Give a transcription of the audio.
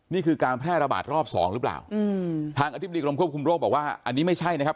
นี่คือการแพร่ระบาดรอบสองหรือเปล่าอืมทางอธิบดีกรมควบคุมโรคบอกว่าอันนี้ไม่ใช่นะครับ